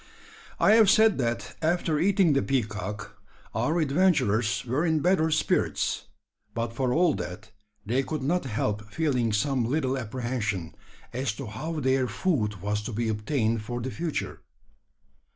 I have said that after eating the peacock our adventurers were in better spirits; but for all that, they could not help feeling some little apprehension as to how their food was to be obtained for the future.